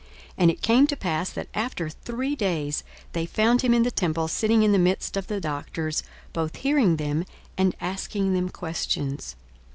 42:002:046 And it came to pass, that after three days they found him in the temple, sitting in the midst of the doctors, both hearing them, and asking them questions.